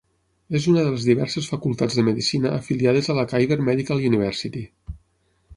És una de les diverses facultats de medicina afiliades a la Khyber Medical University.